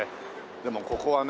でもここはね